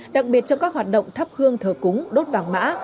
đặc biệt trong các hoạt động thắp hương thờ cúng đốt vàng mã